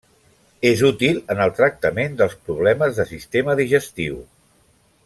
És útil en el tractament dels problemes de sistema digestiu.